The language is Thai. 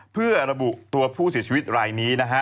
เพื่อระบุตัวผู้สิทธิ์ชีวิตรายนี้